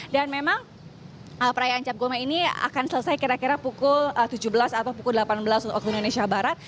dan memang perayaan cap goma ini akan selesai kira kira pukul tujuh belas atau pukul delapan belas waktu indonesia barat